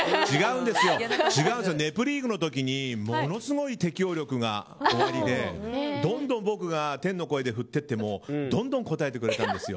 違うんですよ「ネプリーグ」の時にものすごい適応力がおありでどんどん僕が天の声で振ってってもどんどん応えてくれたんです。